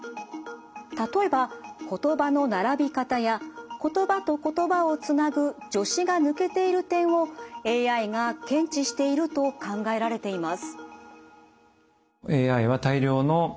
例えば言葉の並び方や言葉と言葉をつなぐ助詞が抜けている点をＡＩが検知していると考えられています。